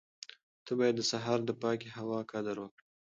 ته باید د سهار د پاکې هوا قدر وکړې.